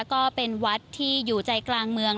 ก็เป็นวัดที่อยู่ใจกลางเมือง